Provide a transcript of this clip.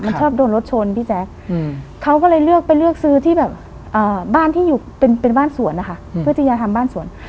มันชอบโดนรถชนพี่แจ๊คเขาก็เลยเลือกไปเลือกซื้อที่แบบบ้านที่อยู่เป็นบ้านสวนนะคะเพื่อที่จะทำบ้านสวน